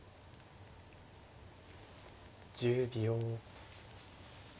１０秒。